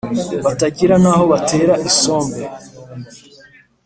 batagira n'aho batera isombe